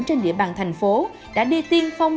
trên địa bàn thành phố đã đi tiên phong